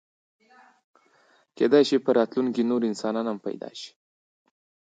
کېدی شي په راتلونکي کې نور انسانان هم پیدا شي.